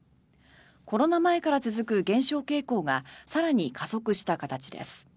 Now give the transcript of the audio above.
コロナ前から続く減少傾向が更に加速した形です。